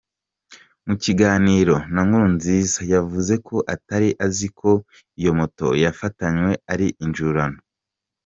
Mu kiganiro na Nkurunziza, yavuze ko atari azi ko iyo moto yafatanywe ari injurano.